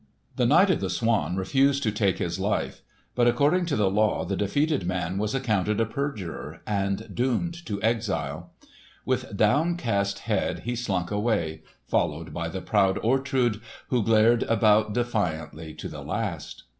The Knight of the Swan refused to take his life; but according to the law the defeated man was accounted a perjurer and doomed to exile. With downcast head he slunk away, followed by the proud Ortrud, who glared about defiantly to the last.